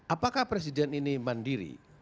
apakah presiden ini mandiri